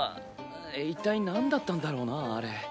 一体なんだったんだろうなあれ。